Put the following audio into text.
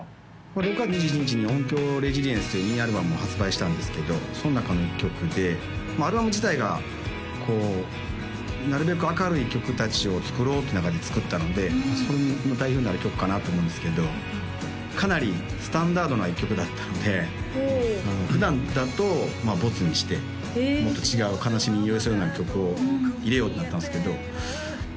６月２１日に「音響レジリエンス」というミニアルバムを発売したんですけどその中の一曲でアルバム自体がこうなるべく明るい曲達を作ろうって中で作ったのでその代表になる曲かなと思うんですけどかなりスタンダードな一曲だったんで普段だとボツにしてもっと違う悲しみに寄り添うような曲を入れようってなってたんですけどま